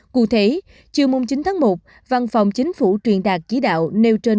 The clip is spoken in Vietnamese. cụ thể chiều chín tháng một văn phòng chính phủ truyền đạt chỉ đạo nêu trên